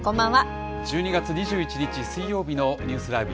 １２月２１日水曜日のニュースＬＩＶＥ！